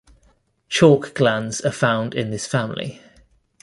Chalk glands are found in this family.